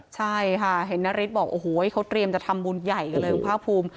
ใช่ค่ะเห็นนฤทธิ์บอกโอ้โหเขาเตรียมจะทำบุญใหญ่กันเลยคุณภาคภูมิ